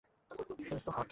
Finch তো hot.